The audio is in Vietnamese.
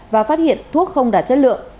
và phát hiện thuốc không đạt chất lượng